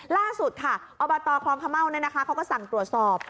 ล่าสุดอบตครอมคร์เม่าสั่งตรวจสอบ